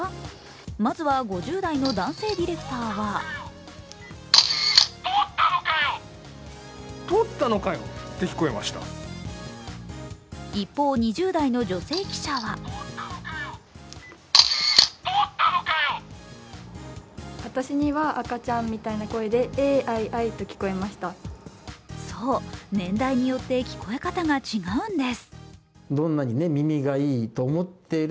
まずは５０代の男性ディレクターは一方、２０代の女性記者はそう、年代によって、聞こえ方が違うんです。